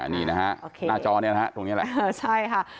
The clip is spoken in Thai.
นี่นะฮะหน้าจอเนี่ยนะฮะตรงนี้แหละใช่ค่ะ